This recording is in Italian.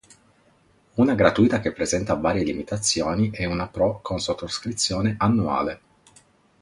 Una gratuita che presenta varie limitazioni e una pro con sottoscrizione annuale.